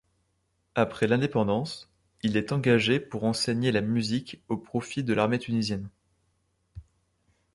Après l'indépendance, il est engagé pour enseigner la musique au profit de l'armée tunisienne.